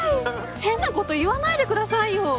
変なこと言わないでくださいよ。